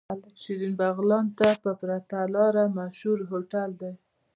شيرين بغلان ته په پرته لاره مشهور هوټل دی.